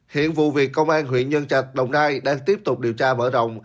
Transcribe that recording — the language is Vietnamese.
hiện vụ việc công an huyện nhân trạch đồng nai đang tiếp tục điều tra mở rộng